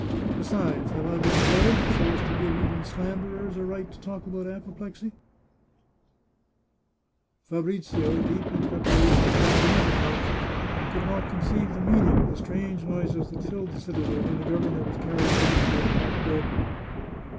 Besides, have I been bled, so as to give even slanderers a right to talk about apoplexy ?" Fabrizio, deep in preparations for his own departure, could not conceive the meaning of the strange noises that filled the citadel when the governor was carried back to it half dead.